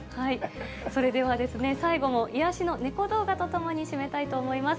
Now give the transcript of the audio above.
それでは、最後も癒やしの猫動画とともに締めたいと思います。